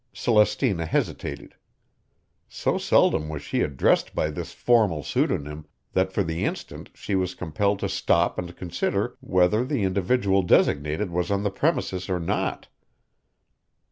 Celestina hesitated. So seldom was she addressed by this formal pseudonym that for the instant she was compelled to stop and consider whether the individual designated was on the premises or not.